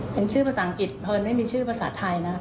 เป็นชื่อภาษาอังกฤษเพลินไม่มีชื่อภาษาไทยนะ